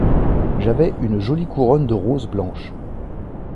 J'avais une jolie couronne de roses blanches.